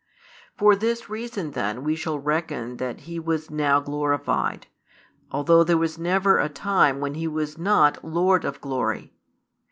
For this reason then we shall reckon that He was now glorified, although there never was a time when He was not Lord of glory.